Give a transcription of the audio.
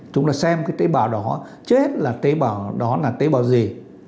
chúng ta xem cái tế bào đó chết là tế bào đó là tế bào gì